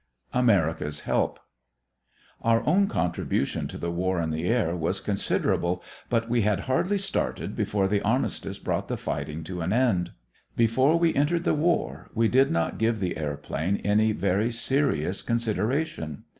AMERICA'S HELP Our own contribution to the war in the air was considerable, but we had hardly started before the armistice brought the fighting to an end. Before we entered the war we did not give the airplane any very serious consideration.